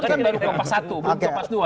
kan baru kopas satu bukan kopas dua